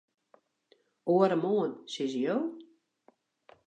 Oaremoarn, sizze jo?